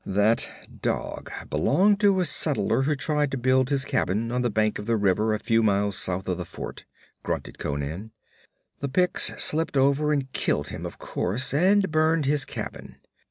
'That dog belonged to a settler who tried to build his cabin on the bank of the river a few miles south of the fort,' grunted Conan. 'The Picts slipped over and killed him, of course, and burned his cabin.